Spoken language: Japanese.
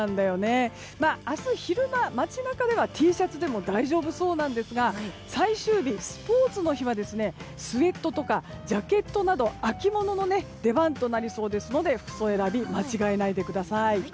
明日、昼間、街中ではＴシャツでも大丈夫そうですが最終日、スポーツの日はスウェットとかジャケットなど秋物の出番となりそうですので服装選び間違えないでください。